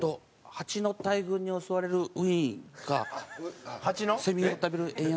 ハチの大群に襲われるウィーンかセミを食べるエンヤ。